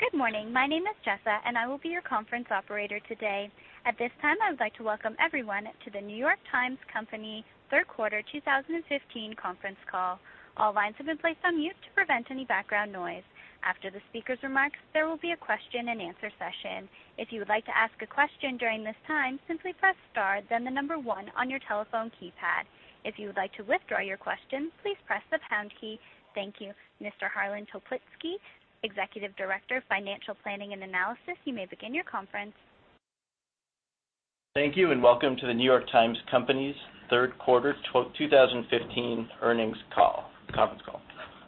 Good morning. My name is Jessa, and I will be your conference operator today. At this time, I would like to welcome everyone to The New York Times Company third quarter 2015 conference call. All lines have been placed on mute to prevent any background noise. After the speaker's remarks, there will be a question-and-answer session. If you would like to ask a question during this time, simply press star, then the number one on your telephone keypad. If you would like to withdraw your question, please press the pound key. Thank you. Mr. Harlan Toplitzky, Executive Director of Financial Planning and Analysis, you may begin your conference. Thank you, and welcome to The New York Times Company's third quarter 2015 conference call.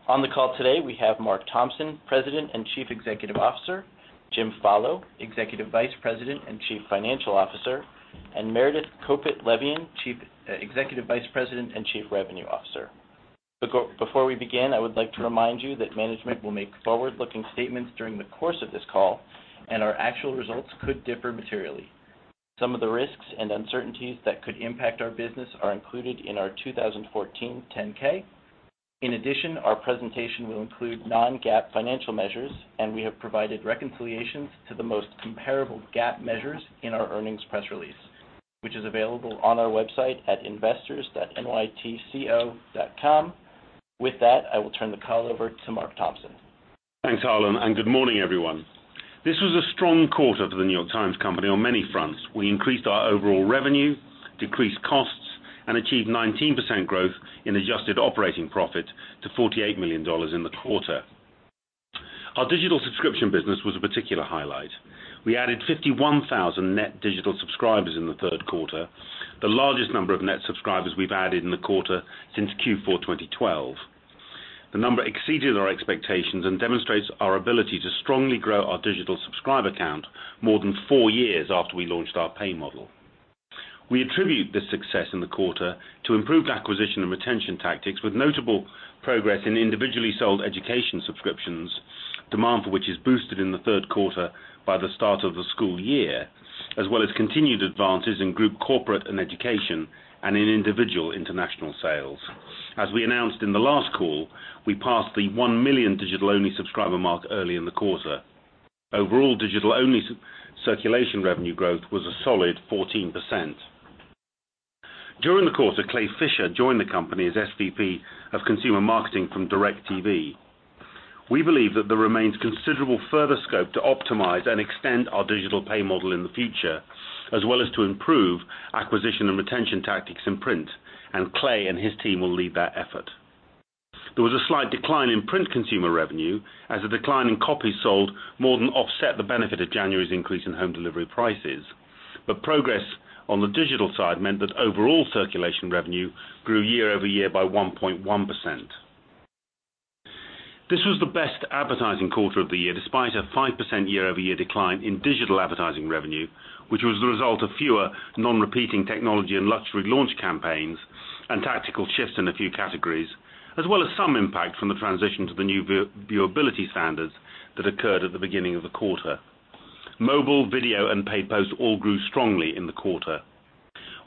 On the call today, we have Mark Thompson, President and Chief Executive Officer, James Follo, Executive Vice President and Chief Financial Officer, and Meredith Kopit Levien, Executive Vice President and Chief Revenue Officer. Before we begin, I would like to remind you that management will make forward-looking statements during the course of this call, and our actual results could differ materially. Some of the risks and uncertainties that could impact our business are included in our 2014 10-K. In addition, our presentation will include non-GAAP financial measures, and we have provided reconciliations to the most comparable GAAP measures in our earnings press release, which is available on our website at investors.nytco.com. With that, I will turn the call over to Mark Thompson. Thanks, Harlan, and good morning, everyone. This was a strong quarter for The New York Times Company on many fronts. We increased our overall revenue, decreased costs, and achieved 19% growth in adjusted operating profit to $48 million in the quarter. Our digital subscription business was a particular highlight. We added 51,000 net digital subscribers in the third quarter, the largest number of net subscribers we've added in the quarter since Q4 2012. The number exceeded our expectations and demonstrates our ability to strongly grow our digital subscriber count more than four years after we launched our pay model. We attribute this success in the quarter to improved acquisition and retention tactics, with notable progress in individually sold education subscriptions, demand for which is boosted in the third quarter by the start of the school year, as well as continued advances in group corporate and education, and in individual international sales. As we announced in the last call, we passed the 1 million digital-only subscriber mark early in the quarter. Overall, digital-only circulation revenue growth was a solid 14%. During the quarter, Clay Fisher joined the company as SVP of Consumer Marketing from DIRECTV. We believe that there remains considerable further scope to optimize and extend our digital pay model in the future, as well as to improve acquisition and retention tactics in print, and Clay and his team will lead that effort. There was a slight decline in print consumer revenue as the decline in copies sold more than offset the benefit of January's increase in home delivery prices. The progress on the digital side meant that overall circulation revenue grew year-over-year by 1.1%. This was the best advertising quarter of the year, despite a 5% year-over-year decline in digital advertising revenue, which was the result of fewer non-repeating technology and luxury launch campaigns and tactical shifts in a few categories, as well as some impact from the transition to the new viewability standards that occurred at the beginning of the quarter. Mobile, video, and paid posts all grew strongly in the quarter.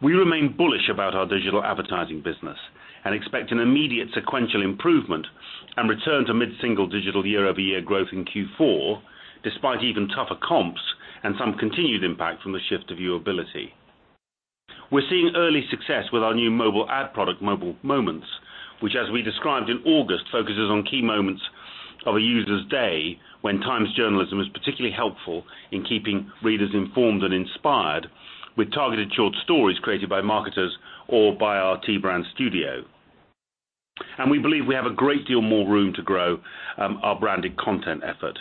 We remain bullish about our digital advertising business and expect an immediate sequential improvement and return to mid-single digital year-over-year growth in Q4, despite even tougher comps and some continued impact from the shift of viewability. We're seeing early success with our new mobile ad product, Mobile Moments, which, as we described in August, focuses on key moments of a user's day when Times journalism is particularly helpful in keeping readers informed and inspired with targeted short stories created by marketers or by our T Brand Studio. We believe we have a great deal more room to grow our branded content effort.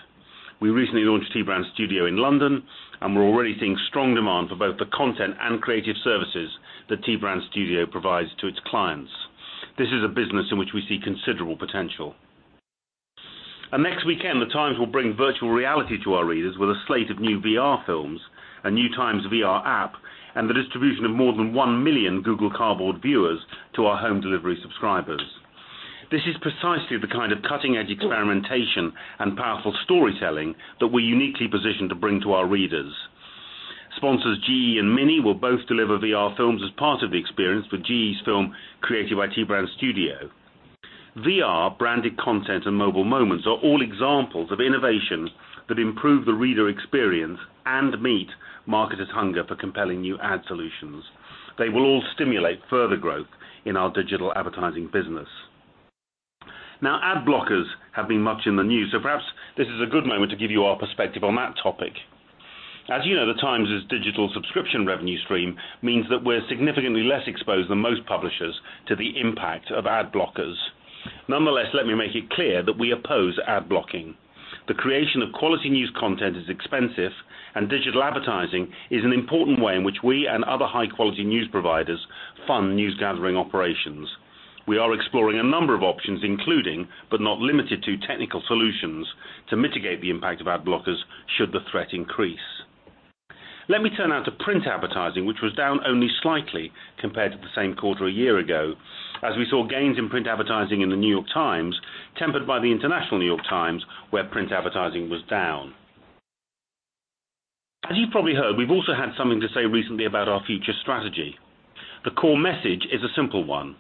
We recently launched T Brand Studio in London, and we're already seeing strong demand for both the content and creative services that T Brand Studio provides to its clients. This is a business in which we see considerable potential. Next weekend, the Times will bring virtual reality to our readers with a slate of new VR films, a new Times VR app, and the distribution of more than 1 million Google Cardboard viewers to our home delivery subscribers. This is precisely the kind of cutting-edge experimentation and powerful storytelling that we're uniquely positioned to bring to our readers. Sponsors GE and Mini will both deliver VR films as part of the experience, with GE's film created by T Brand Studio. VR, branded content, and Mobile Moments are all examples of innovation that improve the reader experience and meet marketers' hunger for compelling new ad solutions. They will all stimulate further growth in our digital advertising business. Now, ad blockers have been much in the news, so perhaps this is a good moment to give you our perspective on that topic. As you know, The Times' digital subscription revenue stream means that we're significantly less exposed than most publishers to the impact of ad blockers. Nonetheless, let me make it clear that we oppose ad blocking. The creation of quality news content is expensive, and digital advertising is an important way in which we and other high-quality news providers fund news gathering operations. We are exploring a number of options, including, but not limited to technical solutions, to mitigate the impact of ad blockers should the threat increase. Let me turn now to print advertising, which was down only slightly compared to the same quarter a year ago, as we saw gains in print advertising in The New York Times, tempered by the International New York Times, where print advertising was down. As you've probably heard, we've also had something to say recently about our future strategy. The core message is a simple one.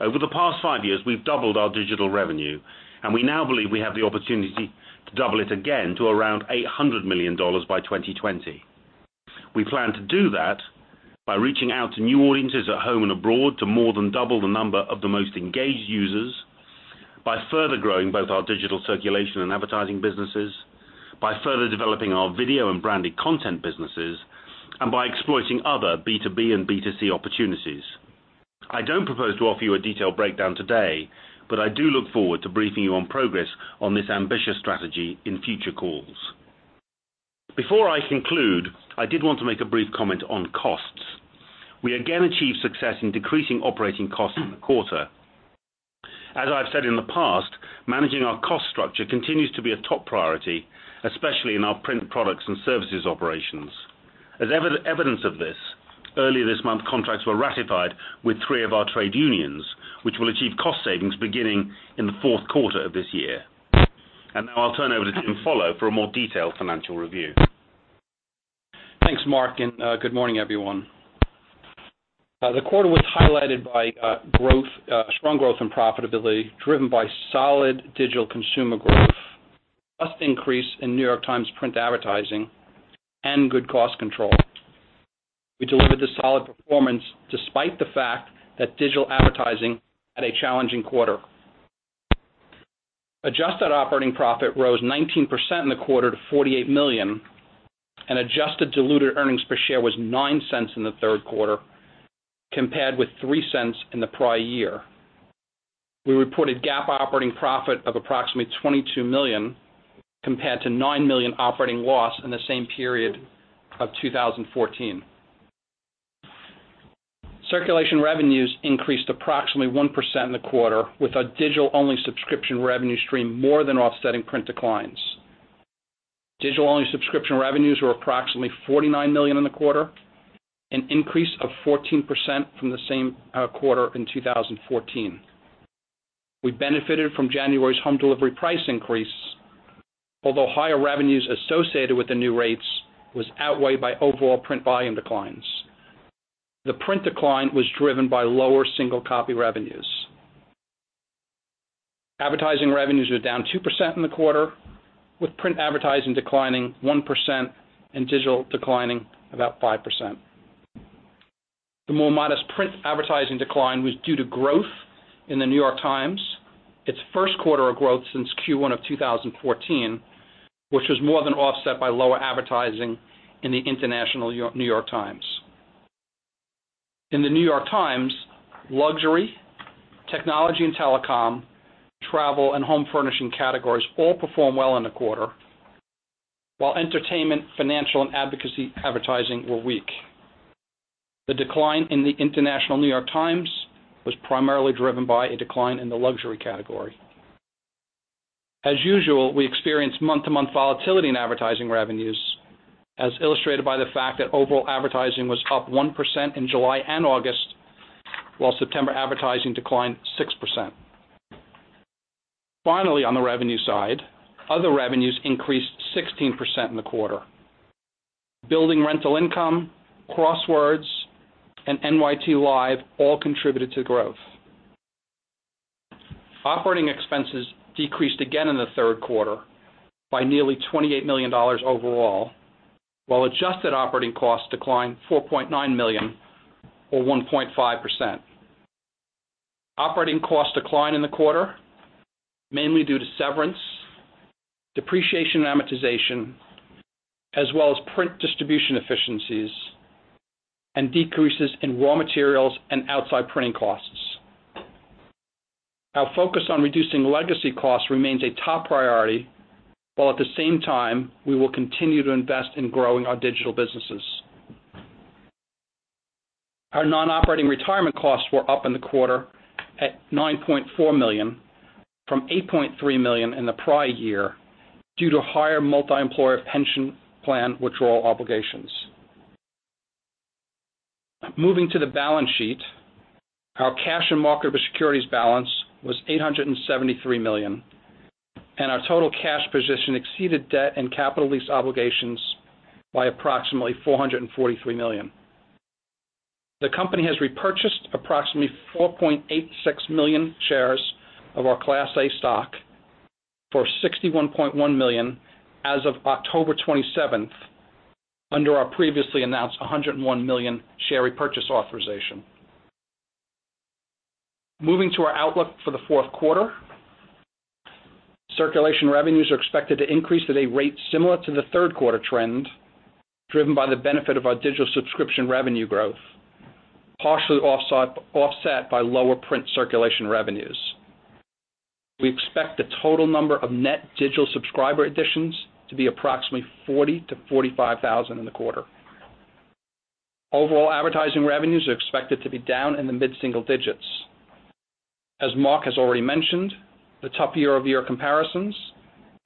Over the past five years, we've doubled our digital revenue, and we now believe we have the opportunity to double it again to around $800 million by 2020. We plan to do that by reaching out to new audiences at home and abroad to more than double the number of the most engaged users by further growing both our digital circulation and advertising businesses, by further developing our video and branded content businesses, and by exploiting other B2B and B2C opportunities. I don't propose to offer you a detailed breakdown today, but I do look forward to briefing you on progress on this ambitious strategy in future calls. Before I conclude, I did want to make a brief comment on costs. We again achieved success in decreasing operating costs in the quarter. As I've said in the past, managing our cost structure continues to be a top priority, especially in our print products and services operations. As evidence of this, early this month, contracts were ratified with three of our trade unions, which will achieve cost savings beginning in the fourth quarter of this year. Now I'll turn over to Follo for a more detailed financial review. Thanks, Mark, and good morning, everyone. The quarter was highlighted by strong growth and profitability, driven by solid digital consumer growth and good cost control. We delivered a solid performance despite the fact that digital advertising had a challenging quarter. Adjusted operating profit rose 19% in the quarter to $48 million, and adjusted diluted earnings per share was $0.09 in the third quarter compared with $0.03 in the prior year. We reported GAAP operating profit of approximately $22 million compared to $9 million operating loss in the same period of 2014. Circulation revenues increased approximately 1% in the quarter, with our digital-only subscription revenue stream more than offsetting print declines. Digital-only subscription revenues were approximately $49 million in the quarter, an increase of 14% from the same quarter in 2014. We benefited from January's home delivery price increase, although higher revenues associated with the new rates was outweighed by overall print volume declines. The print decline was driven by lower single copy revenues. Advertising revenues were down 2% in the quarter, with print advertising declining 1% and digital declining about 5%. The more modest print advertising decline was due to growth in The New York Times, its first quarter of growth since Q1 of 2014, which was more than offset by lower advertising in the International New York Times. In The New York Times, luxury, technology and telecom, travel, and home furnishing categories all performed well in the quarter, while entertainment, financial, and advocacy advertising were weak. The decline in the International New York Times was primarily driven by a decline in the luxury category. As usual, we experienced month-to-month volatility in advertising revenues, as illustrated by the fact that overall advertising was up 1% in July and August, while September advertising declined 6%. Finally, on the revenue side, other revenues increased 16% in the quarter. Building rental income, crosswords, and NYT Live all contributed to growth. Operating expenses decreased again in the third quarter by nearly $28 million overall, while adjusted operating costs declined $4.9 million or 1.5%. Operating costs declined in the quarter, mainly due to severance, depreciation, and amortization, as well as print distribution efficiencies and decreases in raw materials and outside printing costs. Our focus on reducing legacy costs remains a top priority, while at the same time, we will continue to invest in growing our digital businesses. Our non-operating retirement costs were up in the quarter at $9.4 million from $8.3 million in the prior year due to higher multi-employer pension plan withdrawal obligations. Moving to the balance sheet, our cash and marketable securities balance was $873 million, and our total cash position exceeded debt and capital lease obligations by approximately $443 million. The company has repurchased approximately 4.86 million shares of our Class A stock for $61.1 million as of October 27th under our previously announced 101 million share repurchase authorization. Moving to our outlook for the fourth quarter. Circulation revenues are expected to increase at a rate similar to the third quarter trend, driven by the benefit of our digital subscription revenue growth, partially offset by lower print circulation revenues. We expect the total number of net digital subscriber additions to be approximately 40,000-45,000 in the quarter. Overall advertising revenues are expected to be down in the mid-single digits. As Mark has already mentioned, the tough year-over-year comparisons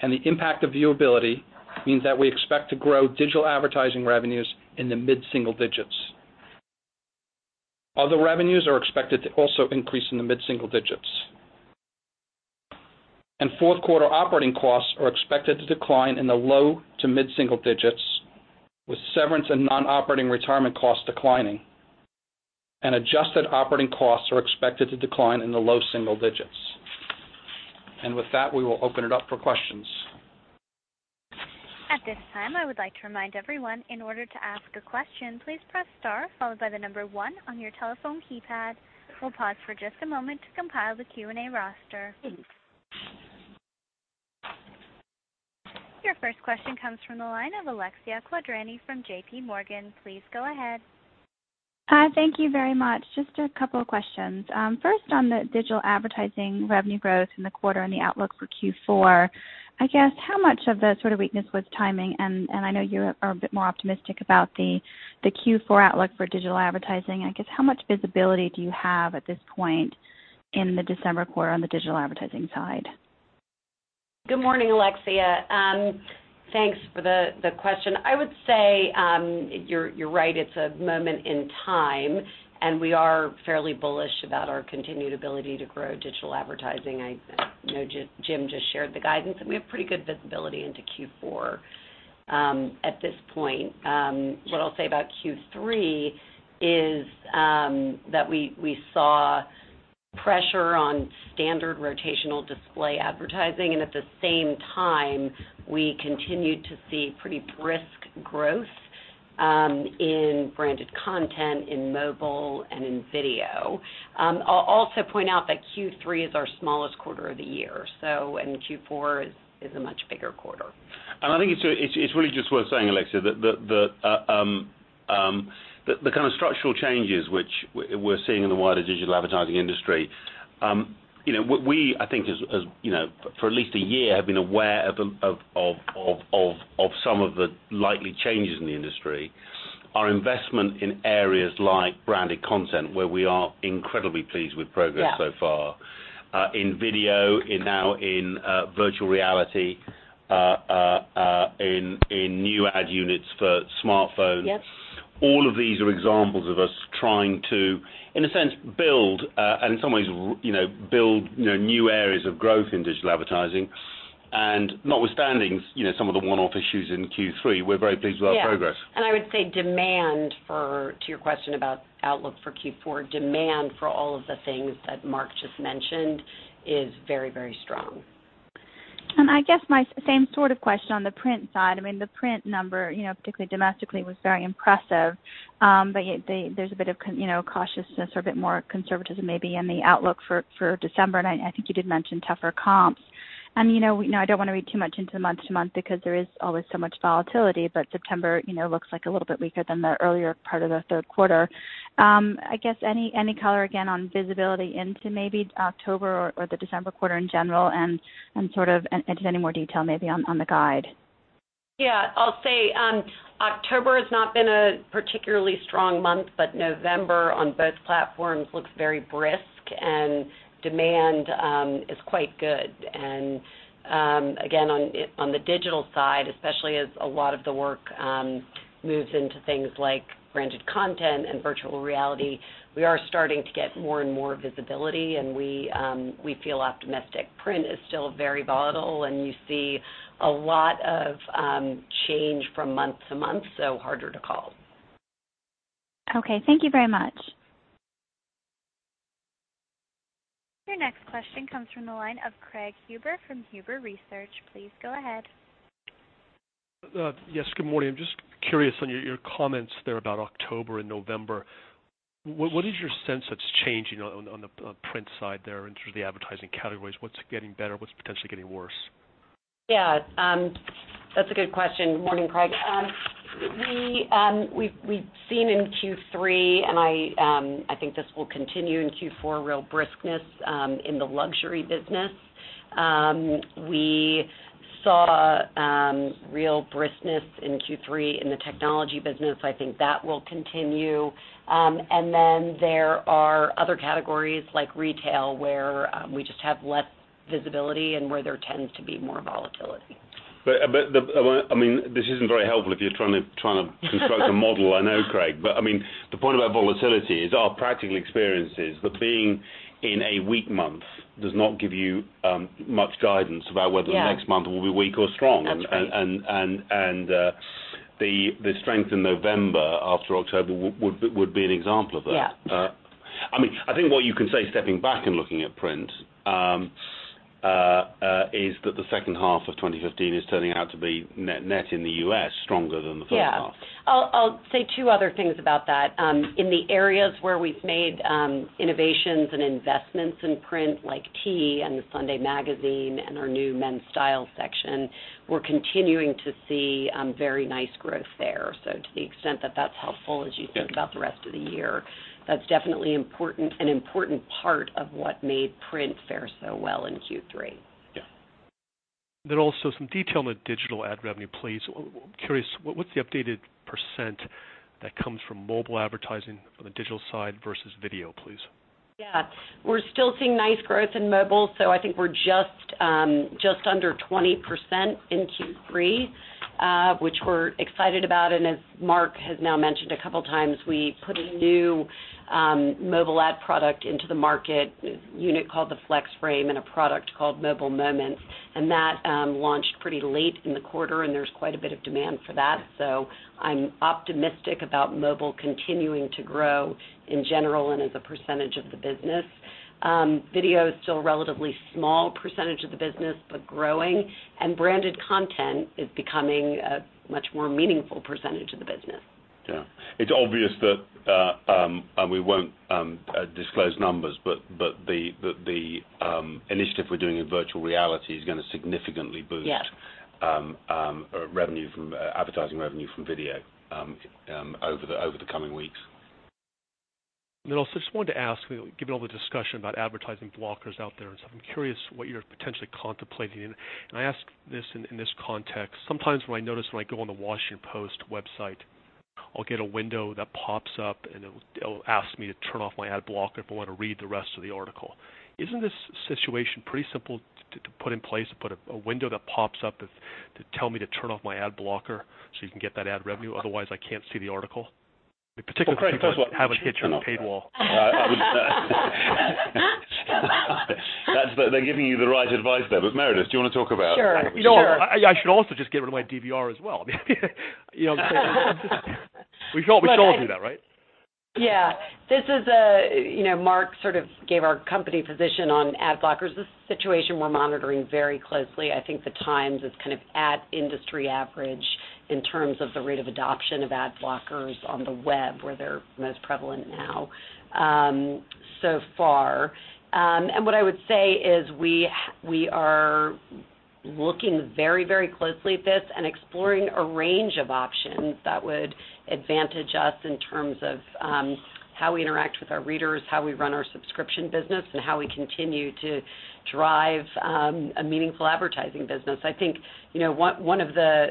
and the impact of viewability means that we expect to grow digital advertising revenues in the mid-single digits. Other revenues are expected to also increase in the mid-single digits. Fourth quarter operating costs are expected to decline in the low- to mid-single-digits, with severance and non-operating retirement costs declining. Adjusted operating costs are expected to decline in the low-single-digits. With that, we will open it up for questions. At this time, I would like to remind everyone, in order to ask a question, please press star followed by the number one on your telephone keypad. We'll pause for just a moment to compile the Q&A roster. Your first question comes from the line of Alexia Quadrani from JPMorgan. Please go ahead. Hi. Thank you very much. Just a couple of questions. First, on the digital advertising revenue growth in the quarter and the outlook for Q4, I guess, how much of the sort of weakness was timing? I know you are a bit more optimistic about the Q4 outlook for digital advertising. I guess, how much visibility do you have at this point in the December quarter on the digital advertising side? Good morning, Alexia. Thanks for the question. I would say, you're right, it's a moment in time, and we are fairly bullish about our continued ability to grow digital advertising. I know Jim just shared the guidance, and we have pretty good visibility into Q4 at this point. What I'll say about Q3 is that we saw pressure on standard rotational display advertising, and at the same time, we continued to see pretty brisk growth in branded content, in mobile, and in video. I'll also point out that Q3 is our smallest quarter of the year so in Q4 is a much bigger quarter. I think it's really just worth saying, Alexia, that the kind of structural changes which we're seeing in the wider digital advertising industry. We, I think for at least a year, have been aware of some of the likely changes in the industry. Our investment in areas like branded content, where we are incredibly pleased with progress so far. Yeah. In video, now in virtual reality, in new ad units for smartphones- Yep. ...all of these are examples of us trying to, in a sense, build, and in some ways, build new areas of growth in digital advertising. Notwithstanding some of the one-off issues in Q3, we're very pleased with our progress. Yeah. I would say demand for, to your question about outlook for Q4, demand for all of the things that Mark just mentioned is very, very strong. I guess my same sort of question on the print side. I mean, the print number, particularly domestically, was very impressive. Yet there's a bit of cautiousness or a bit more conservatism maybe in the outlook for December, and I think you did mention tougher comps. I don't want to read too much into month-to-month because there is always so much volatility but September looks a little bit weaker than the earlier part of the third quarter. I guess any color again on visibility into maybe October or the December quarter in general, and sort of into any more detail maybe on the guide? Yeah. I'll say, October has not been a particularly strong month, but November on both platforms looks very brisk and demand is quite good. Again, on the digital side, especially as a lot of the work moves into things like branded content and virtual reality, we are starting to get more and more visibility, and we feel optimistic. Print is still very volatile, and you see a lot of change from month to month, so harder to call. Okay. Thank you very much. Your next question comes from the line of Craig Huber from Huber Research. Please go ahead. Yes. Good morning. I'm just curious on your comments there about October and November. What is your sense that's changing on the print side there in terms of the advertising categories? What's getting better? What's potentially getting worse? Yeah. That's a good question. Morning, Craig. We've seen in Q3, and I think this will continue in Q4, real briskness in the luxury business. We saw real briskness in Q3 in the technology business. I think that will continue and then there are other categories like retail, where we just have less visibility and where there tends to be more volatility. This isn't very helpful if you're trying to construct a model, I know, Craig. The point about volatility is our practical experience that being in a weak month does not give you much guidance about whether- Yeah. ...the next month will be weak or strong. That's right. The strength in November after October would be an example of that. Yeah. I think what you can say, stepping back and looking at print, is that the second half of 2015 is turning out to be net in the U.S., stronger than the first half. Yeah. I'll say two other things about that. In the areas where we've made innovations and investments in print, like T and the Sunday Magazine and our new men's style section, we're continuing to see very nice growth there. To the extent that that's helpful as you think about the rest of the year, that's definitely an important part of what made print fare so well in Q3. Yeah. Also some detail on the digital ad revenue, please. I'm curious, what's the updated percent that comes from mobile advertising on the digital side versus video, please? Yeah. We're still seeing nice growth in mobile, so I think we're just under 20% in Q3 which we're excited about. As Mark has now mentioned a couple of times, we put a new mobile ad product into the market, a unit called the Flex Frame and a product called Mobile Moments. That launched pretty late in the quarter, and there's quite a bit of demand for that. I'm optimistic about mobile continuing to grow in general and as a percentage of the business. Video is still a relatively small percentage of the business, but growing and branded content is becoming a much more meaningful percentage of the business. Yeah. It's obvious that, and we won't disclose numbers, but the initiative we're doing in virtual reality is going to significantly boost- Yes. ....advertising revenue from video, over the coming weeks. Meredith, I just wanted to ask, given all the discussion about advertising blockers out there, I'm curious what you're potentially contemplating. I ask this in this context. Sometimes when I notice I go on The Washington Post website, I'll get a window that pops up, and it'll ask me to turn off my ad blocker if I want to read the rest of the article. Isn't this situation pretty simple to put in place, to put a window that pops up to tell me to turn off my ad blocker so you can get that ad revenue otherwise, I can't see the article. Particularly if you haven't hit your paywall. They're giving you the right advice there. Meredith, do you want to talk about? Sure. I should also just get rid of my DVR as well. You know what I'm saying? We should all do that, right? Yeah. Mark sort of gave our company position on ad blockers. This is a situation we're monitoring very closely. I think The Times is at industry average in terms of the rate of adoption of ad blockers on the web, where they're most prevalent now, so far. What I would say is we are looking very closely at this and exploring a range of options that would advantage us in terms of how we interact with our readers, how we run our subscription business, and how we continue to drive a meaningful advertising business. I think one of the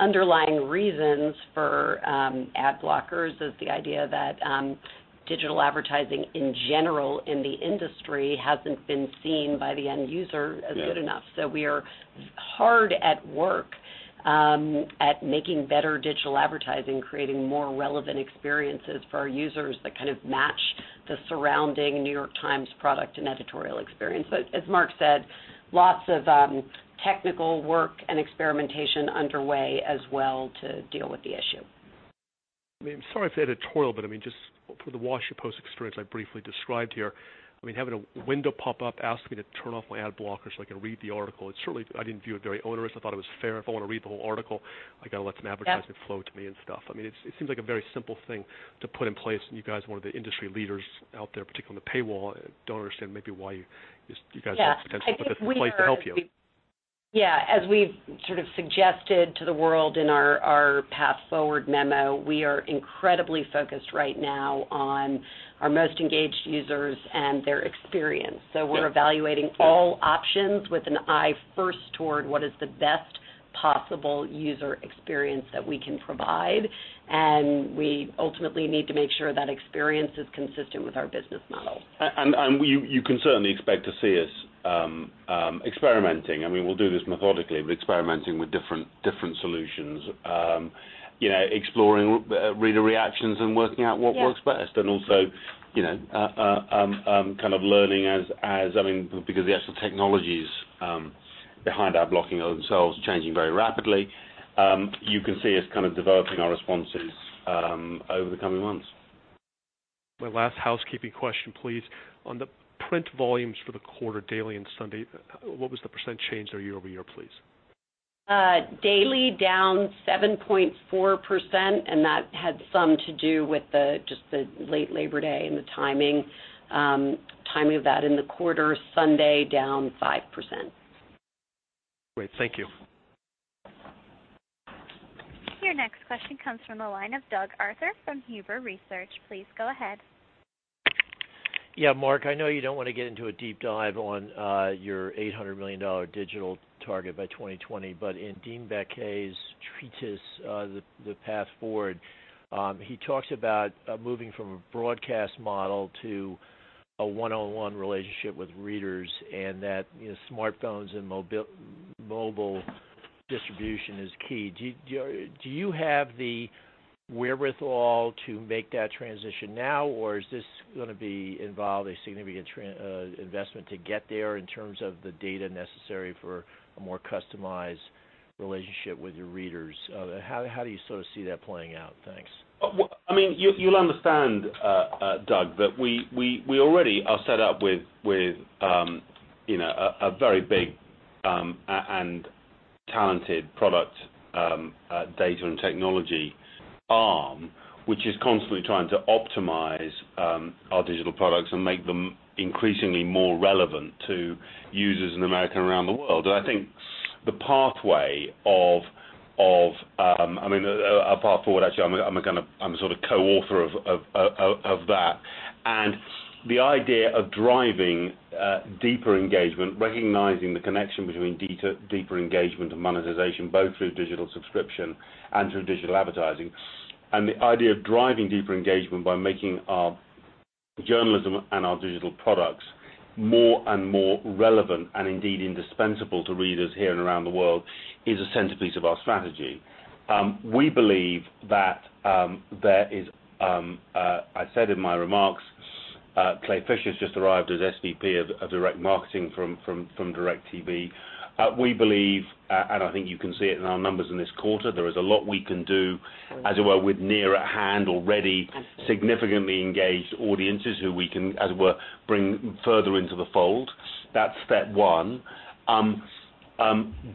underlying reasons for ad blockers is the idea that digital advertising in general in the industry hasn't been seen by the end user as good enough. Yes. We are hard at work at making better digital advertising, creating more relevant experiences for our users that match the surrounding New York Times product and editorial experience. As Mark said, lots of technical work and experimentation underway as well to deal with the issue. Sorry for the editorial, but just for The Washington Post experience I briefly described here, having a window pop up asking me to turn off my ad blocker so I can read the article. Certainly I didn't view it very onerous. I thought it was fair. If I want to read the whole article, I got to let some advertisement flow to me and stuff. It seems like a very simple thing to put in place, and you guys are one of the industry leaders out there, particularly on the paywall. I don't understand maybe why you guys wouldn't potentially put this in place to help you. Yeah. As we've sort of suggested to the world in our Path Forward memo, we are incredibly focused right now on our most engaged users and their experience. We're evaluating all options with an eye first toward what is the best possible user experience that we can provide. We ultimately need to make sure that experience is consistent with our business model. You can certainly expect to see us experimenting, and we will do this methodically, but experimenting with different solutions, exploring reader reactions and working out what works best. Yeah. Also learning as, because the actual technologies behind ad blocking themselves are changing very rapidly. You can see us developing our responses over the coming months. My last housekeeping question, please. On the print volumes for the quarter, daily and Sunday, what was the percent change there year-over-year, please? Daily, down 7.4%, and that had something to do with just the late Labor Day and the timing of that in the quarter. Sunday, down 5%. Great. Thank you. Your next question comes from the line of Doug Arthur from Huber Research. Please go ahead. Yeah, Mark, I know you don't want to get into a deep dive on your $800 million digital target by 2020, but in Dean Baquet's treatise, The Path Forward, he talks about moving from a broadcast model to a one-on-one relationship with readers and that smartphones and mobile distribution is key. Do you have the wherewithal to make that transition now, or is this going to involve a significant investment to get there in terms of the data necessary for a more customized relationship with your readers? How do you sort of see that playing out? Thanks. You'll understand, Doug, that we already are set up with a very big and talented product data and technology arm, which is constantly trying to optimize our digital products and make them increasingly more relevant to users in America and around the world. I think the pathway of The Path Forward, actually, I'm a sort of co-author of that, and the idea of driving deeper engagement, recognizing the connection between deeper engagement and monetization, both through digital subscription and through digital advertising. The idea of driving deeper engagement by making our journalism and our digital products more and more relevant and indeed indispensable to readers here and around the world is a centerpiece of our strategy. We believe that there is, I said in my remarks, Clay Fisher's just arrived as SVP of direct marketing from DIRECTV, we believe, and I think you can see it in our numbers in this quarter, there is a lot we can do, as it were, with near at hand, already significantly engaged audiences who we can, as it were, bring further into the fold. That's step one.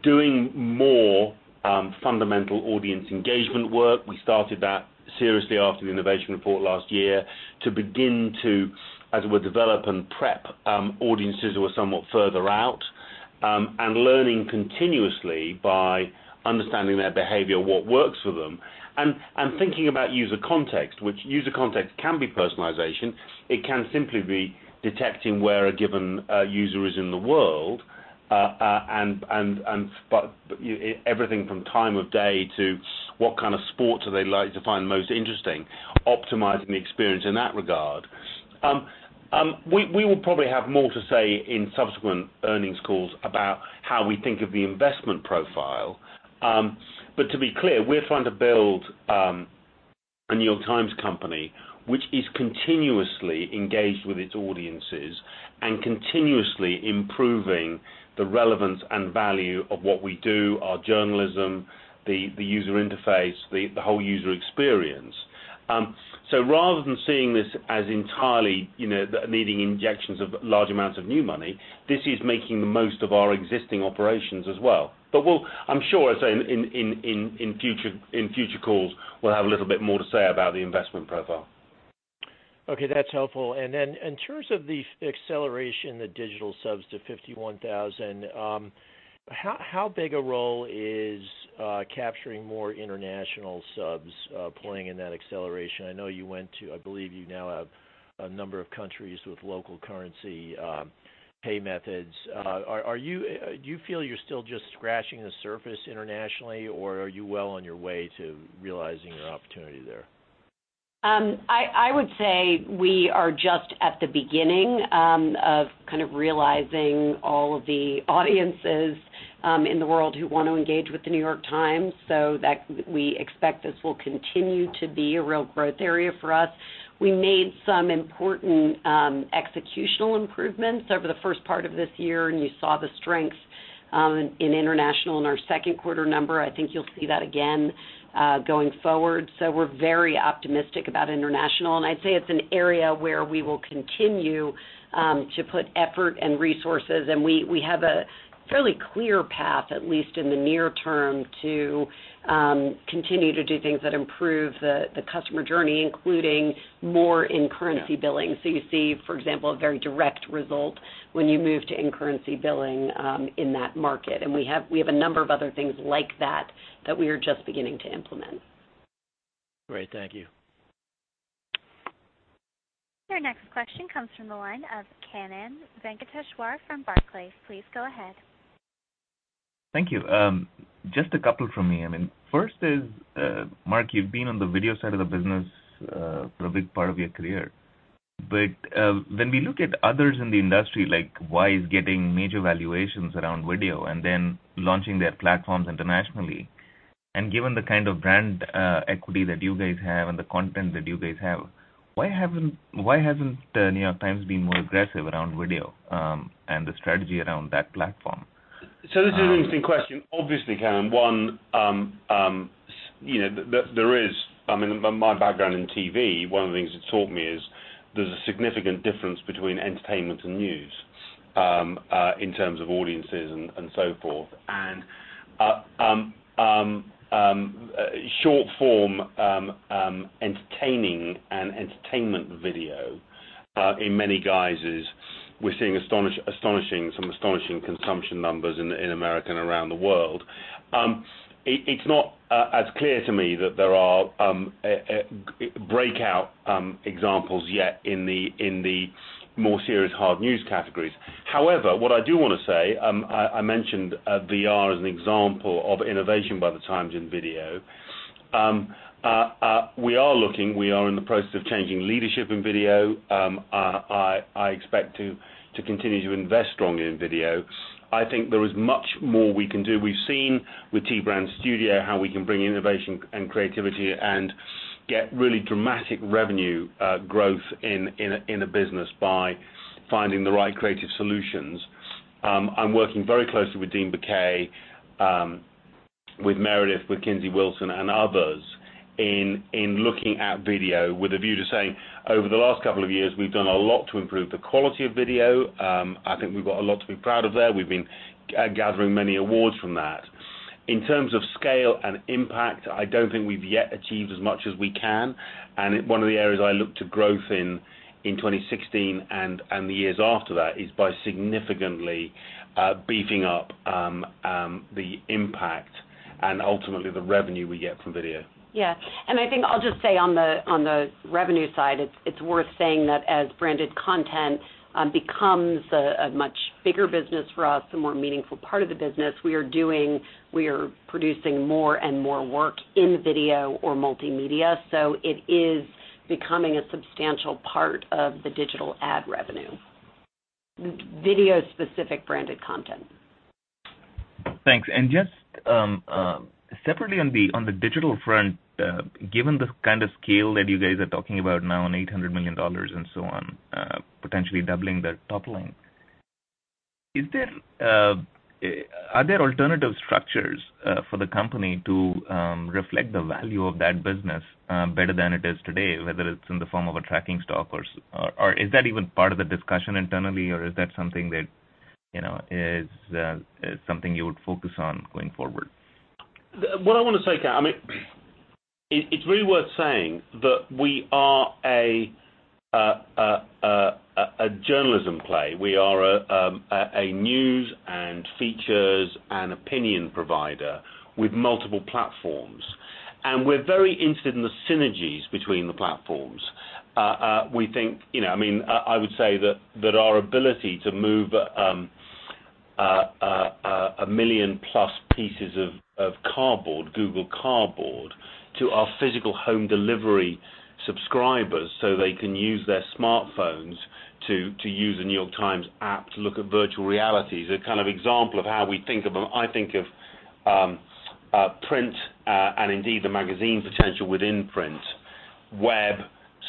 Doing more fundamental audience engagement work, we started that seriously after the innovation report last year to begin to, as it were, develop and prep audiences who are somewhat further out, and learning continuously by understanding their behavior, what works for them, and thinking about user context, which user context can be personalization. It can simply be detecting where a given user is in the world. Everything from time of day to what kind of sports do they like to find most interesting, optimizing the experience in that regard. We will probably have more to say in subsequent earnings calls about how we think of the investment profile. To be clear, we're trying to build a New York Times Company which is continuously engaged with its audiences and continuously improving the relevance and value of what we do, our journalism, the user interface, the whole user experience. Rather than seeing this as entirely needing injections of large amounts of new money, this is making the most of our existing operations as well. I'm sure, as I say, in future calls, we'll have a little bit more to say about the investment profile. Okay. That's helpful. Then in terms of the acceleration, the digital subs to 51,000, how big a role is capturing more international subs playing in that acceleration? I know I believe you now have a number of countries with local currency pay methods. Do you feel you're still just scratching the surface internationally, or are you well on your way to realizing your opportunity there? I would say we are just at the beginning of kind of realizing all of the audiences in the world who want to engage with The New York Times, so we expect this will continue to be a real growth area for us. We made some important executional improvements over the first part of this year, and you saw the strength in international in our second quarter number. I think you'll see that again going forward. We're very optimistic about international, and I'd say it's an area where we will continue to put effort and resources, and we have a fairly clear path, at least in the near term, to continue to do things that improve the customer journey, including more in-currency billing. You see, for example, a very direct result when you move to in-currency billing in that market, and we have a number of other things like that that we are just beginning to implement. Great. Thank you. Your next question comes from the line of Kannan Venkateshwar from Barclays. Please go ahead. Thank you. Just a couple from me. First is Mark, you've been on the video side of the business for a big part of your career. When we look at others in the industry, like Netflix is getting major valuations around video and then launching their platforms internationally, and given the kind of brand equity that you guys have and the content that you guys have, why hasn't the New York Times been more aggressive around video and the strategy around that platform? This is an interesting question. Obviously, Kannan, one, my background in TV, one of the things it's taught me is there's a significant difference between entertainment and news, in terms of audiences and so forth. Short form entertaining and entertainment video, in many guises, we're seeing some astonishing consumption numbers in America and around the world. It's not as clear to me that there are breakout examples yet in the more serious hard news categories. However, what I do want to say, I mentioned VR as an example of innovation by the Times in video. We are looking, we are in the process of changing leadership in video. I expect to continue to invest strongly in video. I think there is much more we can do. We've seen with T Brand Studio how we can bring innovation and creativity and get really dramatic revenue growth in a business by finding the right creative solutions. I'm working very closely with Dean Baquet, with Meredith, with Kinsey Wilson and others in looking at video with a view to saying, over the last couple of years, we've done a lot to improve the quality of video. I think we've got a lot to be proud of there. We've been gathering many awards from that. In terms of scale and impact, I don't think we've yet achieved as much as we can, and one of the areas I look to growth in 2016 and the years after that, is by significantly beefing up the impact and ultimately the revenue we get from video. Yeah. I think I'll just say on the revenue side, it's worth saying that as branded content becomes a much bigger business for us, a more meaningful part of the business, we are producing more and more work in video or multimedia. It is becoming a substantial part of the digital ad revenue, video-specific branded content. Thanks. Just separately on the digital front, given the kind of scale that you guys are talking about now on $800 million and so on, potentially doubling that top line, are there alternative structures for the company to reflect the value of that business better than it is today, whether it's in the form of a tracking stock, or is that even part of the discussion internally, or is that something that you would focus on going forward? What I want to say, Kan, it's really worth saying that we are a journalism play. We are a news and features and opinion provider with multiple platforms. We're very interested in the synergies between the platforms. I would say that our ability to move 1 million+ pieces of Google Cardboard to our physical home delivery subscribers so they can use their smartphones to use a New York Times app to look at virtual reality is an example of how I think of print, and indeed, the magazine potential within print, web,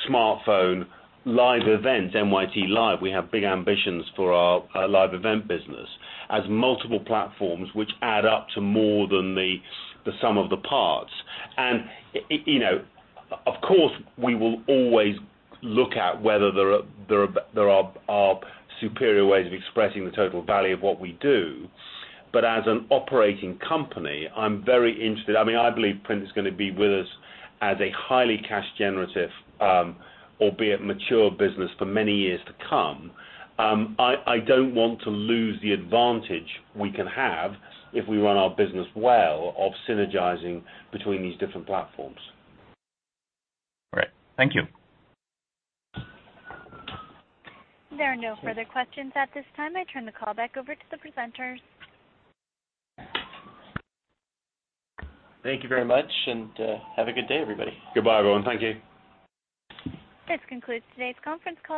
smartphone, live events, NYT Live. We have big ambitions for our live event business as multiple platforms, which add up to more than the sum of the parts. Of course, we will always look at whether there are superior ways of expressing the total value of what we do. As an operating company, I'm very interested. I believe print is going to be with us as a highly cash-generative, albeit mature business for many years to come. I don't want to lose the advantage we can have if we run our business well of synergizing between these different platforms. Great. Thank you. There are no further questions at this time. I turn the call back over to the presenters. Thank you very much, and have a good day, everybody. Goodbye, everyone. Thank you. This concludes today's conference call.